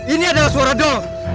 ini adalah suara do